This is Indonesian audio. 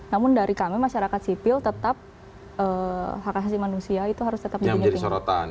namun dari kami masyarakat sipil tetap hak asasi manusia itu harus tetap menjadi pengingatan